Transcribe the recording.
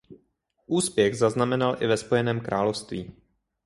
Úspěch zaznamenal i ve Spojeném království.